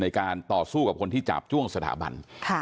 ในการต่อสู้กับคนที่จาบจ้วงสถาบัน